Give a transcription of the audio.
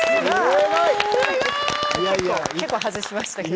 すごい！結構外しましたけど。